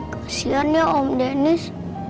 kesian ya om dennis